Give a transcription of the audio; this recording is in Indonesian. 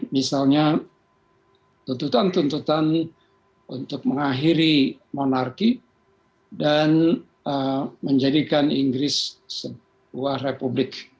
misalnya tuntutan tuntutan untuk mengakhiri monarki dan menjadikan inggris sebuah republik